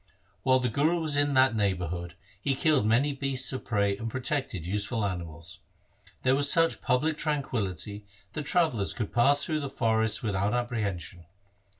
While the Guru was in that neighbourhood he killed many beasts of prey and protected useful animals. There was such public tranquillity that travellers could pass through the forests without ap prehension.